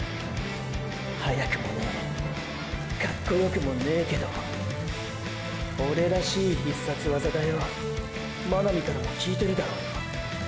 速くもねぇカッコよくもねぇけどオレらしい「必殺ワザ」だよ真波からも聞いてるだろうよ。